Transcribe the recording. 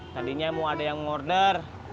tadinya mau ada yang ngorder